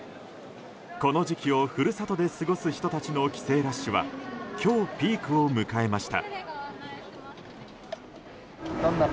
この時期を故郷で過ごす人たちの帰省ラッシュは今日、ピークを迎えました。